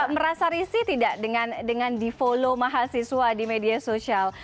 merasa risih tidak dengan di follow mahasiswa di media sosial